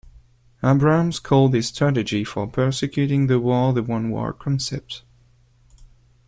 Abrams called his strategy for persecuting the war the one war concept.